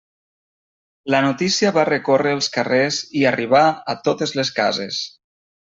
La notícia va recórrer els carrers i arribà a totes les cases.